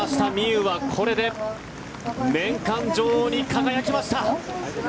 有はこれで年間女王に輝きました。